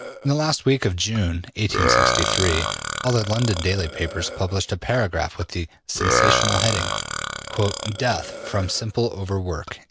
In the last week of June, 1863, all the London daily papers published a paragraph with the ``sensational'' heading, ``Death from simple over work.''